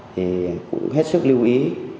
thì cũng hết sức lưu ý